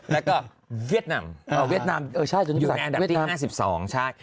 แล้วก็เวียดนามอยู่ในอันดับที่๕๒ใช่